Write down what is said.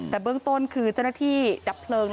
แต่เบื้องต้นคือเจ้าหน้าที่ดับเพลิง